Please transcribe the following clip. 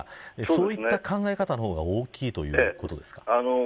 そういった考え方のが大きいということですか。